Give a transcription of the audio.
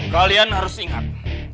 kalian harus ingat